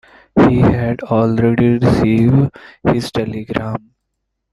He had already received his telegram.